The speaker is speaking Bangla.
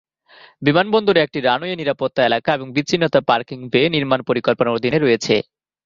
বিমানবন্দরে একটি রানওয়ে নিরাপত্তা এলাকা এবং বিচ্ছিন্নতা পার্কিং বে নির্মাণ পরিকল্পনার অধীনে রয়েছে।